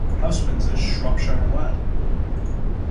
Housman's "A Shropshire Lad".